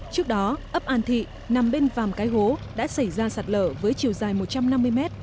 trước đó ấp an thị nằm bên vàm cái hố đã xảy ra sạt lở với chiều dài một trăm năm mươi mét